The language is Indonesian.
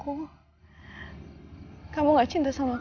yang kerja cuma untuk mencari teman teman yang baik